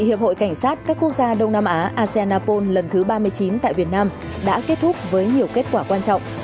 hiệp hội cảnh sát các quốc gia đông nam á asean apol lần thứ ba mươi chín tại việt nam đã kết thúc với nhiều kết quả quan trọng